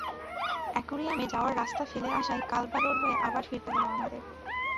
অ্যাকুরিয়ামে যাওয়ার রাস্তা ফেলে আসায় কালবা রোড হয়ে আবার ফিরতে হলো আমাদের।